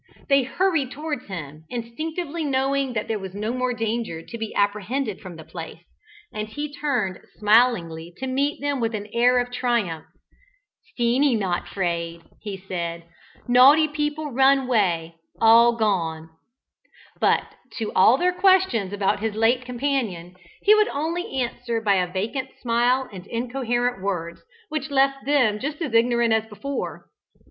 They hurried towards him, instinctively knowing that there was no more danger to be apprehended from the place, and he turned smilingly to meet them with an air of triumph. "Steenie not 'fraid," he said. "Naughty people run 'way! All gone!" [Illustration: SIMPLE STEENIE AND THE GRAY MAN ON THE KNOLL P. 344] But to all their questions about his late companion he could only answer by a vacant smile and incoherent words, which left them as ignorant as before.